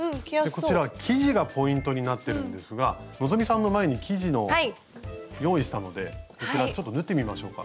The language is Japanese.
生地がポイントになってるんですが希さんの前に生地の用意したのでこちらちょっと縫ってみましょうか。